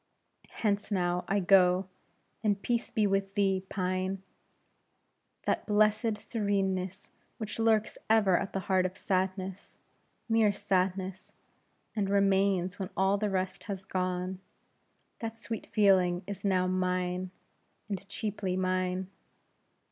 Hence now I go; and peace be with thee, pine! That blessed sereneness which lurks ever at the heart of sadness mere sadness and remains when all the rest has gone; that sweet feeling is now mine, and cheaply mine.